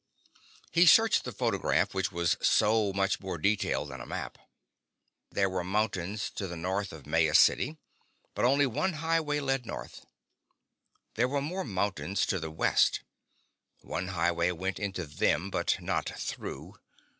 He searched the photograph which was so much more detailed than a map. There were mountains to the north of Maya City, but only one highway led north. There were more mountains to the west. One highway went into them, but not through.